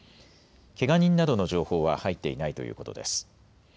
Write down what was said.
けが人などの情報は入っていないということです。